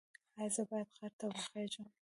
ایا زه باید غر ته وخیزم؟